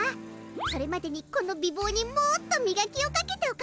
それまでにこの美ぼうにもっとみがきをかけておかなきゃ。